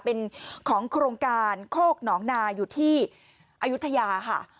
เป็นของโครงการโคกหนองนาอยู่ที่อายุทยาค่ะ